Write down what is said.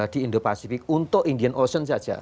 di indo pasifik untuk indian ocean saja